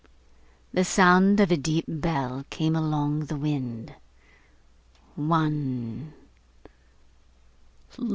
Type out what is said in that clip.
The sound of a deep bell came along the wind. One.